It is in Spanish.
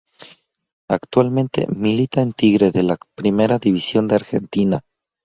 Actualmente milita en Tigre de la Primera División de Argentina.